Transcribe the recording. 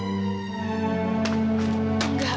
amirah tuh senang aja bu